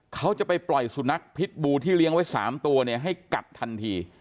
เขาจะไปปล่อยสุนัขพิษบูที่เลี้ยงไว้๓ตัวเนี่ยให้กัดทันที